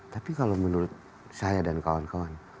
tapi kalau menurut saya dan kawan kawan